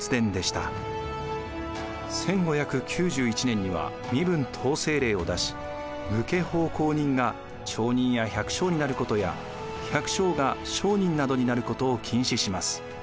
１５９１年には身分統制令を出し武家奉公人が町人や百姓になることや百姓が商人などになることを禁止します。